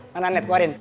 mana nete keluarin